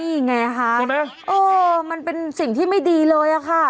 นี่ไงคะใช่ไหมเออมันเป็นสิ่งที่ไม่ดีเลยอะค่ะ